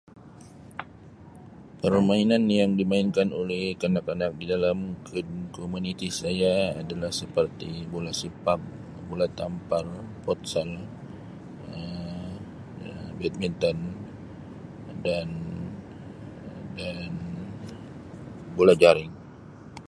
Permainan yang dimainkan oleh kanak-kanak di dalam ked- komuniti saya adalah seperti bula sipak, bula tampar, putsal, Um badminton dan- dan bula jaring.